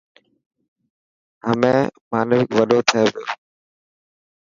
همي حانوڪ وڏو ٿي پيو.